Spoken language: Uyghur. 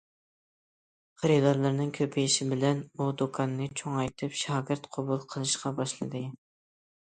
خېرىدارلىرىنىڭ كۆپىيىشى بىلەن ئۇ دۇكاننى چوڭايتىپ، شاگىرت قوبۇل قىلىشقا باشلىدى.